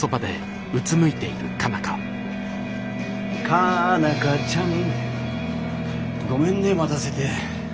かなかちゃんごめんね待たせて。